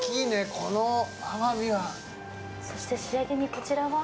このアワビはそして仕上げにこちらは？